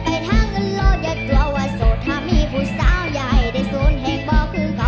ได้หนีแต่คอยจะข่าวอย่าเปล่าอย่าฟัง